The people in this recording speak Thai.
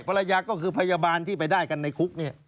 ภรรยาก็คือพยาบาลที่ไปได้กันในคุกเนี่ย